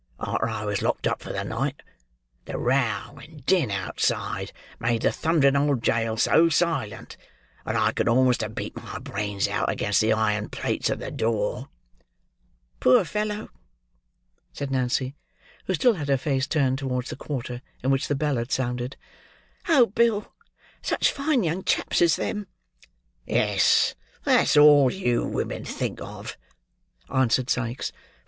Arter I was locked up for the night, the row and din outside made the thundering old jail so silent, that I could almost have beat my brains out against the iron plates of the door." "Poor fellow!" said Nancy, who still had her face turned towards the quarter in which the bell had sounded. "Oh, Bill, such fine young chaps as them!" "Yes; that's all you women think of," answered Sikes.